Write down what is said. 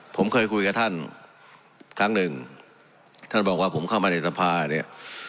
ผมเคยคุยกับท่านครั้งหนึ่งท่านบอกว่าผมเข้ามาในสภาเนี่ย